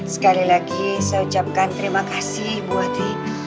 sekali lagi saya ucapkan terima kasih ibu ati